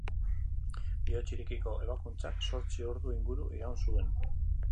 Bihotz irekiko ebakuntzak zortzi ordu inguru iraun zuen.